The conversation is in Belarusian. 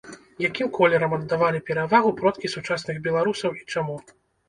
Якім колерам аддавалі перавагу продкі сучасных беларусаў і чаму?